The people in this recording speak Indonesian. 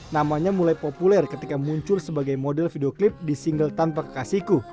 namanya mulai populer ketika muncul sebagai model videoclip di single tanpa kekasihku